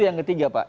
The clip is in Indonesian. itu yang ketiga pak